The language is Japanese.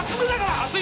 熱い？